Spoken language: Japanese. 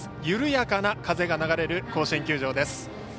緩やかな風が流れる甲子園球場です。